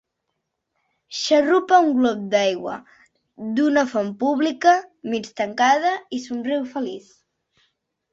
Xarrupa un glop d'aigua d'una font pública mig trencada i somriu feliç.